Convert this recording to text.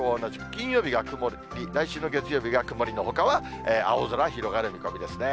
金曜日が曇り、来週の月曜日が曇りのほかは青空広がる見込みですね。